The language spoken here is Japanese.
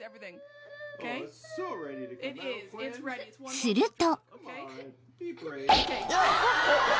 ［すると］